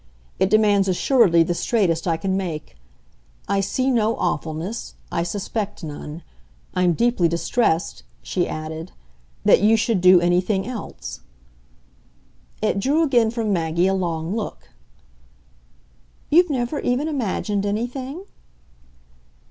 It demands assuredly the straightest I can make. I see no 'awfulness' I suspect none. I'm deeply distressed," she added, "that you should do anything else." It drew again from Maggie a long look. "You've never even imagined anything?"